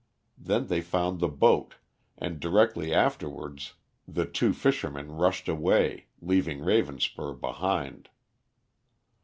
Then they found the boat, and directly afterwards the two fishermen rushed away, leaving Ravenspur behind.